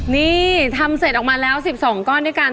นี่ทำเสร็จออกมาแล้ว๑๒ก้อนด้วยกัน